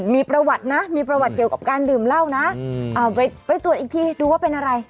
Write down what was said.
มีประวัตินะมีประวัติเกี่ยวกับการดื่มเหล้านะไปตรวจอีกทีดูว่าเป็นอะไร